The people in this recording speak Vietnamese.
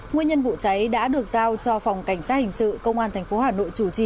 nguyên nhân vụ cháy đã được giao cho phòng cảnh sát hình sự công an tp hà nội chủ trì